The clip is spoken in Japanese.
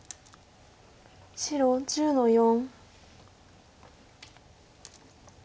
白１０の四。